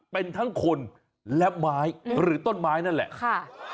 เป็นทั้งคนและไม้หรือต้นไม้นั่นแหละค่ะ